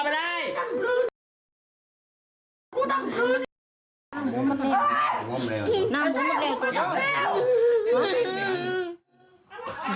ตัวนี้ไม่รอบกลับไปได้